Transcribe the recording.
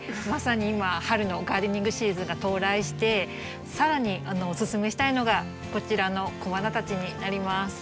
まさに今春のガーデニングシーズンが到来してさらにおすすめしたいのがこちらの小花たちになります。